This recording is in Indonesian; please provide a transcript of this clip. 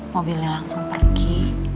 mobilnya langsung pergi